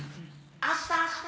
あしたあした。